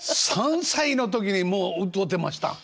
３歳の時にもう歌うてましたん？